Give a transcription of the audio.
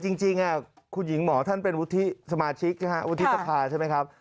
จริงคุณหญิงหมอท่านเป็นวุฒิสมาชิกวุฒิสภาใช่ไหมครับ